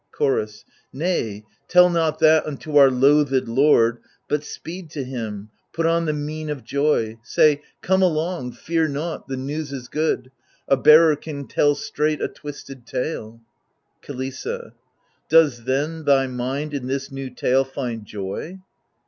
Chorus Nay, tell not that unto our loathed lord, But speed to him, put on the mien of joy, f Say, Come along , fear nought, the news is good: <' A bearer can tell straight a twisted tale.^ KiLISSA Does then thy mind in this new tale find joy